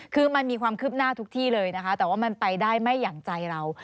คือมันมีความคืบหน้าทุกที่เลยนะคะแต่ว่ามันไปได้ไม่อย่างใจเรา